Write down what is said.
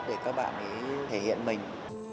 để các bạn ấy thể hiện mình